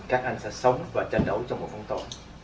các anh sẽ sống và tranh đấu trong một bóng tối